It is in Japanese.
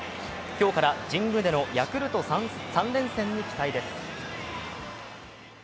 今日から神宮でのヤクルト３連戦に期待です。